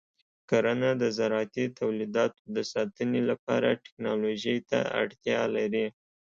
کرنه د زراعتي تولیداتو د ساتنې لپاره ټیکنالوژۍ ته اړتیا لري.